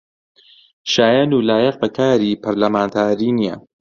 شایەن و لایەق بە کاری پەرلەمانتاری نییە